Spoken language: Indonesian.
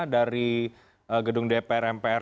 dari gedung dpr mpr